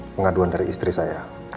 pengaduan dari istri saya